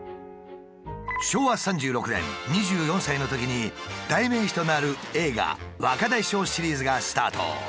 昭和３６年２４歳のときに代名詞となる映画「若大将シリーズ」がスタート。